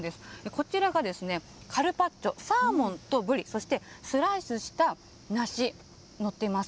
こちらがですね、カルパッチョサーモンとぶりそして、スライスした梨のっています。